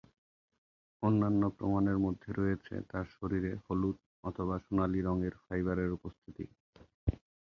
অন্যান্য প্রমাণের মধ্যে রয়েছে তার শরীরে হলুদ/সোনালি রঙের ফাইবারের উপস্থিতি।